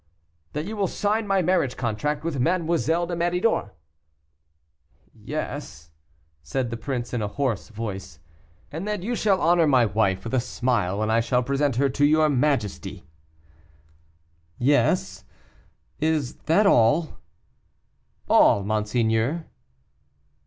"That you will sign my marriage contract with Mademoiselle de Méridor." "Yes," said the prince, in a hoarse voice. "And that you shall honor my wife with a smile when I shall present her to his majesty." "Yes; is that all?" "All, monseigneur."